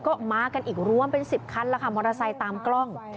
ก็มากันอีกรวมเป็น๑๐คันแล้วค่ะมอเตอร์ไซค์ตามกล้อง